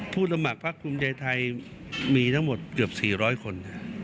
สมัครพักภูมิใจไทยมีทั้งหมดเกือบ๔๐๐คน